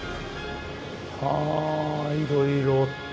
はあいろいろ。